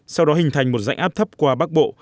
sau đó hình thành một dãnh áp thấp qua bắc bộ